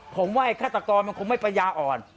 ผมว่าฆาตกรมันคงไม่ปัญญาอ่อน